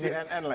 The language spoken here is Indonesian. demi cnn lah ya